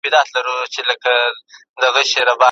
د اوښان کاروان د پټان ولسوالۍ کلیو په تور کنډو بوړکې ته لاړو.